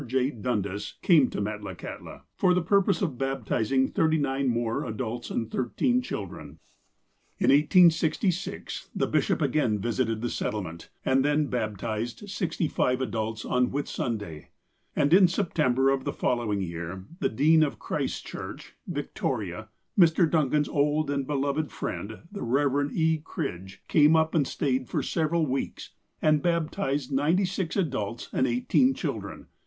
J. Dundas came to Met lakahtla, for tlie purpose of baptizing thirty nine more adults and thirteen children. ONWARD AND UPWARD 173 lu 1866, the bishop again visited the settlement, and then baj)tized sixty five adults on Whitsunday. And in September of the following year, the dean of Christ's Church, Victoria, Mr. Duncan's old and beloved friend, the Rev. E. Cridge, came up, stayed for several weeks, and baptized ninety six adults, and eighteen children.